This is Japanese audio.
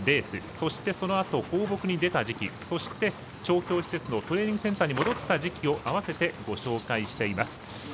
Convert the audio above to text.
そして、そのあと放牧に出た時期そして、調教施設のトレーニング・センターに戻った季節に合わせてご紹介しています。